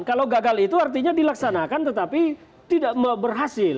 kalau gagal itu artinya dilaksanakan tetapi tidak berhasil